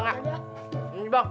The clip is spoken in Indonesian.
nah ini bap